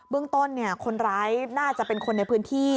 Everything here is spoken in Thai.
เรื่องต้นคนร้ายน่าจะเป็นคนในพื้นที่